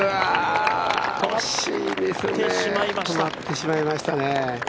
止まってしまいましたね。